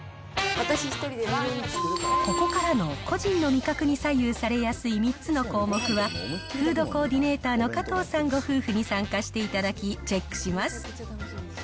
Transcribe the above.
ここからの個人の味覚に左右されやすい３つの項目は、フードコーディネーターの加藤さんご夫婦に参加していただき、チェックします。